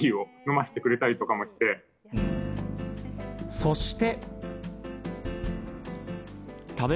そして。